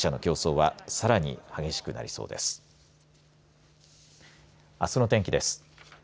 明日の天気です。